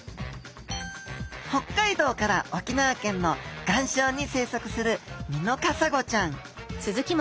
北海道から沖縄県の岩礁に生息するミノカサゴちゃん。